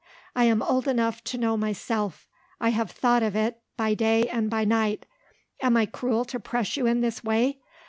I am old enough to know myself; I have thought of it by day and by night. Am I cruel to press you in this way?